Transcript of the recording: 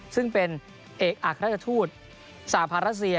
ซึ่งเป็นเอกอักราชทูตสหพันธ์รัสเซีย